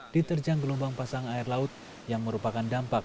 diterjang gelombang pasang air laut yang merupakan dampak